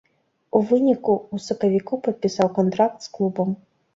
У выніку, у сакавіку падпісаў кантракт з клубам.